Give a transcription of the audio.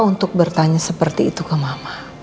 untuk bertanya seperti itu ke mama